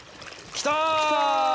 きた！